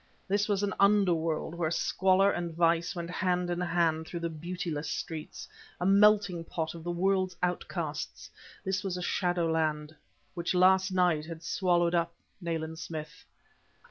This was an underworld where squalor and vice went hand in hand through the beautiless streets, a melting pot of the world's outcasts; this was the shadowland, which last night had swallowed up Nayland Smith.